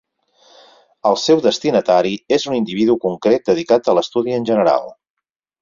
El seu destinatari és un individu concret dedicat a l'estudi en general.